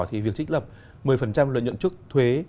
thì việc trích lập một mươi lợi nhuận trước thuế